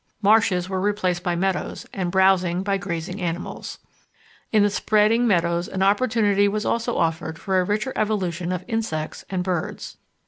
Marshes were replaced by meadows and browsing by grazing mammals. In the spreading meadows an opportunity was also offered for a richer evolution of insects and birds.